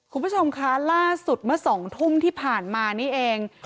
คุณผู้ชมคะล่าสุดเมื่อ๒ทุ่มที่ผ่านมานี่เอง